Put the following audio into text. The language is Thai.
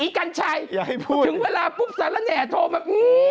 ไอ้กัญชัยถึงเวลาปุ๊บสันแล้วแหน่โทรมา